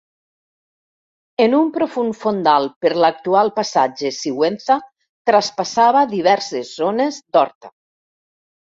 En un profund fondal per l'actual passatge Sigüenza traspassava diverses zones d'Horta.